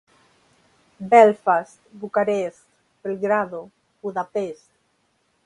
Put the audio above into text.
Belfast, Bucarest, Belgrado, Budapest.